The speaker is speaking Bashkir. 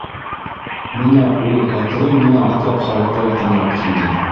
Бына ул әкрен генә атлап халыҡҡа яҡыныраҡ килде.